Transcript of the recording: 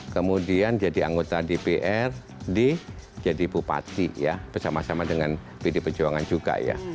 kemudian jadi anggota dprd jadi bupati bersama sama dengan pdi perjuangan juga